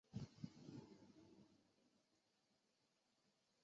川崎市目前由七个区构成。